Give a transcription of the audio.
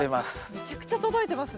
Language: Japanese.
めちゃくちゃ届いてますね。